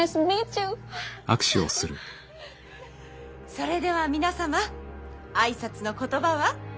それでは皆様挨拶の言葉は？